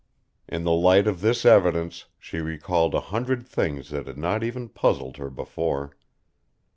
In the light of this evidence she recalled a hundred things that had not even puzzled her before.